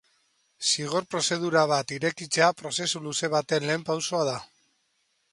Zigor prozedura irekitzea prozesu luze baten lehen pausoa da.